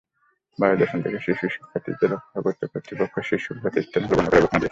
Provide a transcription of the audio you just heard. বায়ুদূষণ থেকে শিশু শিক্ষার্থীদের রক্ষা করতে কর্তৃপক্ষ শিক্ষাপ্রতিষ্ঠানগুলো বন্ধ করার ঘোষণা দিয়েছে।